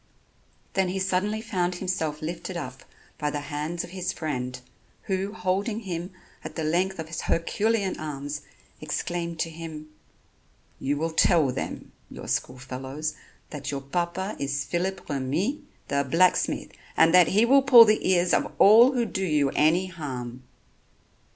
Then he suddenly found himself lifted up by the hands of his friend, who, holding him at the length of his herculean arms, exclaimed to him: "You will tell them, your school fellows, that your papa is Phillip Remy, the blacksmith, and that he will pull the ears of all who do you any harm."